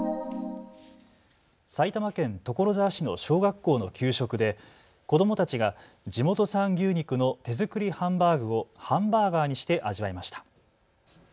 埼玉県所沢市の小学校の給食で子どもたちが地元産牛肉の手作りハンバーグをハンバーガーにして味わいました。